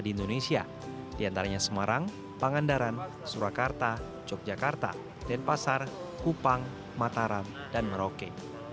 di indonesia diantaranya semarang pangandaran surakarta yogyakarta denpasar kupang mataram dan merauke